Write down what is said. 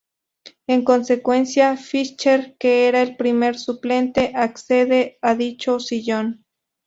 En consecuencia, Fischer, que era el primer suplente, accede a dicho sillón.